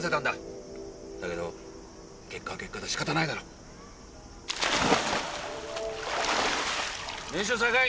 だけど結果は結果でしかたないだろ。練習再開。